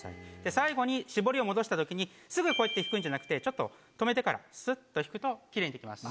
最後にしぼりを戻したときにすぐこうやって引くんじゃなくてちょっと止めてからすっと引くときれいに出来ます。